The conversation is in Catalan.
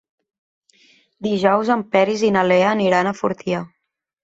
Dijous en Peris i na Lea aniran a Fortià.